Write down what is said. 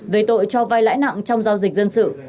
về tội cho vai lãi nặng trong giao dịch dân sự